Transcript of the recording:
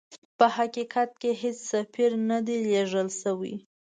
په حقیقت کې هیڅ سفیر نه دی لېږل سوی.